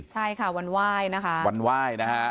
ใช่ค่ะวันไหว้นะคะวันไหว้นะฮะ